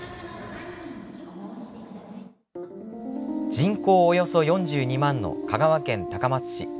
人口およそ４２万の香川県高松市。